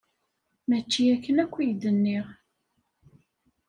Mačči akken akk i k-d-nniɣ!